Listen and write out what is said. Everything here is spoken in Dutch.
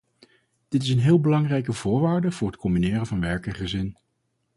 Dit is een heel belangrijke voorwaarde voor het combineren van werk en gezin.